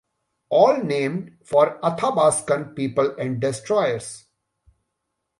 All named for the Athabaskan people and destroyers.